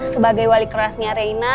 sebagai wali kerasnya rena